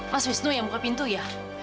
mas wisnu yang buka pintu ya